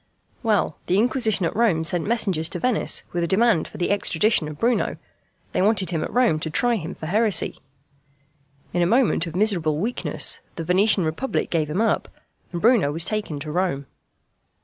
Well, the Inquisition at Rome sent messengers to Venice with a demand for the extradition of Bruno they wanted him at Rome to try him for heresy. In a moment of miserable weakness the Venetian republic gave him up, and Bruno was taken to Rome.